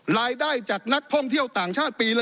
รายได้จากนักท่องเที่ยวต่างชาติปีละ